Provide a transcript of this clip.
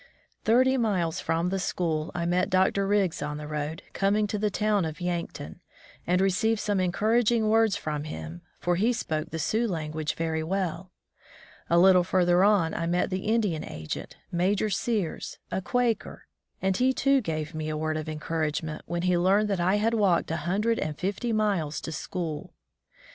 Thirty miles from the school I met Dr. Riggs on the road, coming to the town of Yankton, and received some encouraging words from him, for he spoke the Sioux language very well. A little further on I met the Indian agent, Major Sears, a Quaker, and he, too, gave me a word of encouragement when he learned that I had walked a hundred and fifty miles to school.